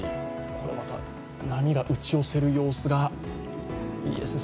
これまた波が打ち寄せる様子がいいですね。